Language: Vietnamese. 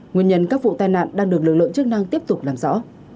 nguyên nhân các vụ tai nạn đang được lực lượng chức năng tiếp tục làm rõ